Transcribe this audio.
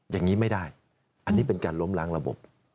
อย่างนี้ไม่ได้อันนี้เป็นการล้มล้างระบบ